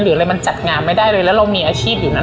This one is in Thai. หรืออะไรมันจัดงานไม่ได้เลยแล้วเรามีอาชีพอยู่นั้น